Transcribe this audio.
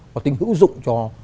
hoặc tính hữu dụng cho